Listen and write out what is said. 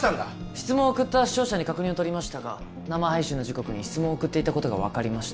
質問を送った視聴者に確認を取りましたが生配信の時刻に質問を送っていたことが分かりました